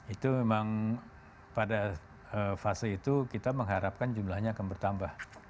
itu memang pada fase itu kita mengharapkan jumlahnya akan bertambah